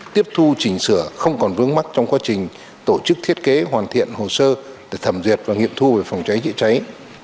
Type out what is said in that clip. tiếp thu chỉnh sửa không còn vướng mắt trong quá trình tổ chức thiết kế hoàn thiện hồ sơ để thẩm duyệt và nghiệm thu về phòng cháy chữa cháy